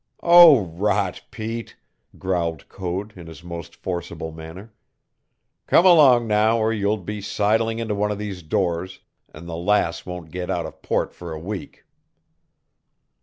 "Oh, rot, Pete!" growled Code in his most forcible manner. "Come along now or you'll be sidling into one of these doors and the Lass won't get out of port for a week."